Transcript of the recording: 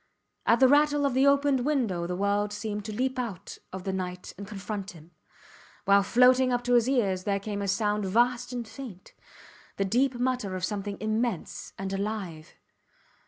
At the rattle of the opened window the world seemed to leap out of the night and confront him, while floating up to his ears there came a sound vast and faint; the deep mutter of something immense and alive.